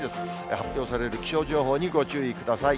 発表される気象情報にご注意ください。